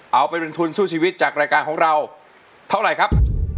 เอาไปเป็นทุนสู้ชีวิตจากรายการของเราเท่าไหร่ครับ